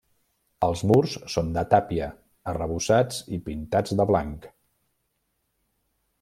Els murs són de tàpia, arrebossats i pintats de blanc.